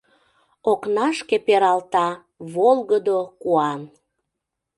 Окнашке пералта Волгыдо куан.